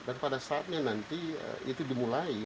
pada saatnya nanti itu dimulai